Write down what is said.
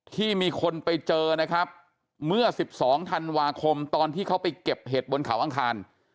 ที่มีคนไปเจอนะครับเมื่อ๑๒ธันวาคมตอนที่เขาไปเก็บเห็ดบนเขาอังคาร